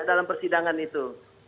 dalam persidangan itu